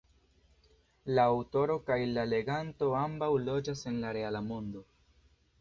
La aŭtoro kaj la leganto ambaŭ loĝas en la reala mondo.